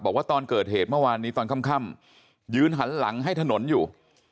บอกว่าตอนเกิดเหตุเมื่อวานนี้ตอนค่ำยืนหันหลังให้ถนนอยู่